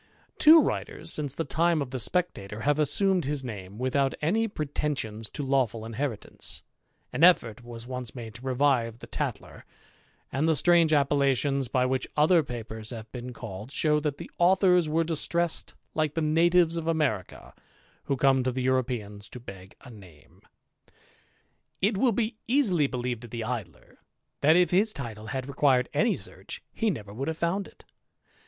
Two writers, since the time of the Spectaior^ have assumed his name, without any pretensions to lawf^L: inheritance ; an effort was once made to revive the Tat k^ and the strange appellations by which other papers hssiz^t been called, show that the authors were distressed like tlie natives of America, who come to the Europeans to beg" z name. It will be easily believed of the Idler, that if his title had required any search, he never would have found it.